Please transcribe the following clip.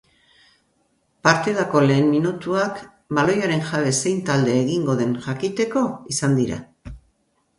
Partidako lehen minutuak baloiaren jabe zein talde egingo den jakiteko izan dira.